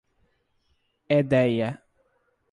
Edéia